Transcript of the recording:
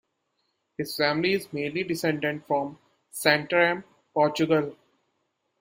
His family is mainly descended from Santarem, Portugal.